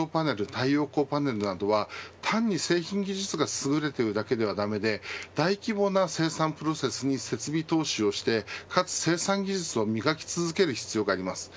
太陽光パネルなどは単に製品技術が優れているだけではだめで大規模な生産プロセスに設備投資をしてかつ、生産技術を磨き続ける必要があります。